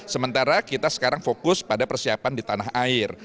sementara kita sekarang fokus pada persiapan di tanah air